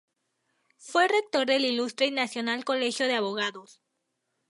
Fue rector del Ilustre y Nacional Colegio de Abogados.